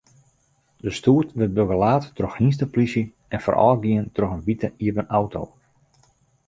De stoet wurdt begelaat troch hynsteplysje en foarôfgien troch in wite iepen auto.